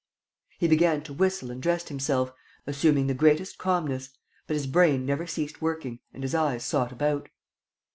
..." He began to whistle and dressed himself, assuming the greatest calmness, but his brain never ceased working and his eyes sought about.